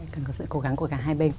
cần có sự cố gắng của cả hai bên